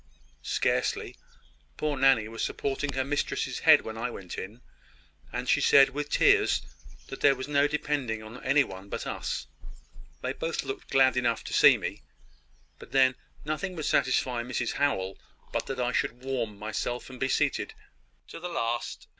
"Scarcely. Poor Nanny was supporting her mistress's head when I went in; and she said, with tears, that there was no depending on any one but us. They both looked glad enough to see me: but then, nothing would satisfy Mrs Howell but that I should warm myself, and be seated." "To the last!